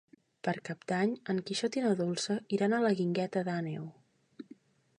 Per Cap d'Any en Quixot i na Dolça iran a la Guingueta d'Àneu.